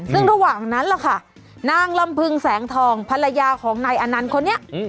ซึ่งระหว่างนั้นล่ะค่ะนางลำพึงแสงทองภรรยาของนายอนันต์คนนี้